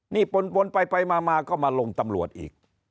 นี่ปนไปมาก็มาลงตำรวจอีก